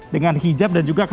dengan hijab dan juga